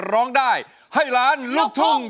ร้องได้ให้ล้านลูกทุ่ง